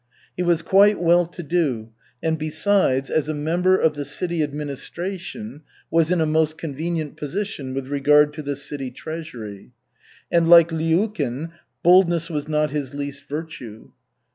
He was quite well to do and, besides, as a member of the city administration was in a most convenient position with regard to the city treasury. And like Lyulkin, boldness was not his least virtue.